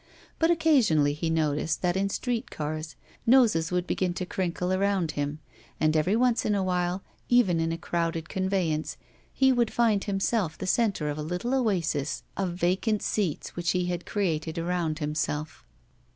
But occasionally he noticed that in street cars noses would begin to crinkle arotmd him, and every once in a while, even in a crowded conveyance he would find himself the center of a Uttle oasis of vacant seats which he had created around himself.